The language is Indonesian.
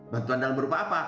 bantuan dalam berupa apa